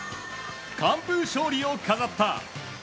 完封勝利を飾った。